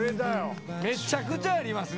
「めちゃくちゃありますね。